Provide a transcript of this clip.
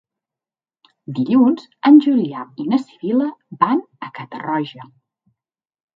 Dilluns en Julià i na Sibil·la van a Catarroja.